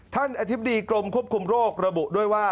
อธิบดีกรมควบคุมโรคระบุด้วยว่า